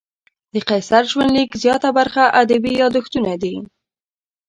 د قیصر ژوندلیک زیاته برخه ادبي یادښتونه دي.